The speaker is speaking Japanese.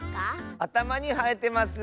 あたまにはえてます！